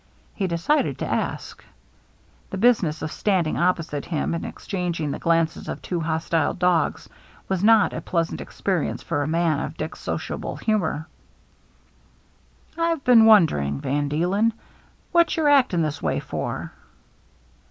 He decided to ask. This business of standing opposite him and exchanging the glances of two hostile dogs was not a pleasant experience for a man of Dick's sociable humor. " Fve been wondering, Van Deelen, what you're acting this way for."